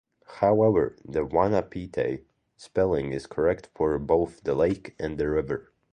However, the Wanapitei spelling is correct for both the lake and the river.